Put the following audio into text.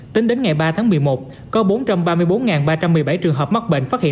tính đến ngày ba tháng một mươi một có bốn trăm ba mươi bốn ba trăm một mươi bảy trường hợp mắc bệnh phát hiện